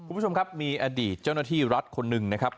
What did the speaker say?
คุณผู้ชมครับมีอดีตเจ้าหน้าที่รัฐคนหนึ่งนะครับ